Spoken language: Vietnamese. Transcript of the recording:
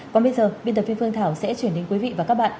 còn bây giờ biên tập viên phương thảo sẽ chuyển đến quý vị và các bạn